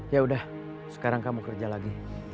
yaudah sekarang kamu kerja lagi